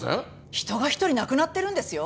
人が一人亡くなってるんですよ。